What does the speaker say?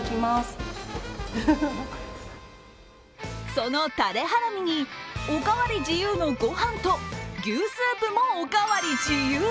そのタレハラミに、おかわり自由のご飯と牛スープもおかわり自由。